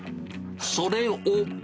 それを。